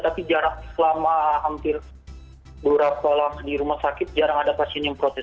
tapi jarang selama hampir beberapa tahun di rumah sakit jarang ada pasien yang protes